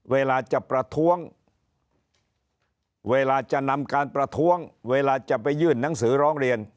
เวลาจะประท้วงเวลาจะนำการประท้วงเวลาจะไปยื่นหนังสือร้องเรียน